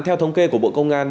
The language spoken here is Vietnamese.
theo thống kê của bộ công an